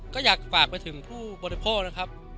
ก็อยากฝากไปถึงผู้บริโภคนะครับ